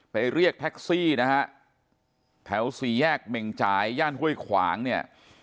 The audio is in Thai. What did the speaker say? เรียกแท็กซี่นะฮะแถวสี่แยกเม่งจ่ายย่านห้วยขวางเนี่ย